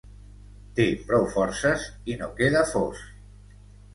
Té prou forces i no queda fos.